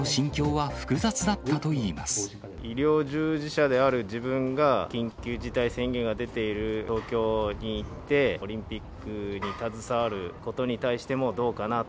医療従事者である自分が、緊急事態宣言が出ている東京に行って、オリンピックに携わることに対してもどうかなと。